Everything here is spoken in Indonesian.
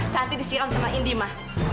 tanti disiam sama indy ma